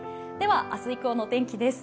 明日以降の天気です。